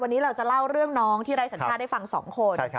วันนี้เราจะเล่าเรื่องน้องที่ไร้สัญชาติให้ฟัง๒คน